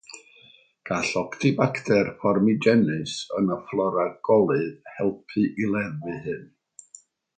Gall "oxalobacter formigenes" yn y fflora coludd helpu i leddfu hyn.